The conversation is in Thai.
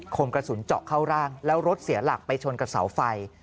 มกระสุนเจาะเข้าร่างแล้วรถเสียหลักไปชนกับเสาไฟ